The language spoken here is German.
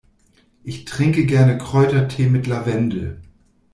Ich trinke gerne Kräutertee mit Lavendel.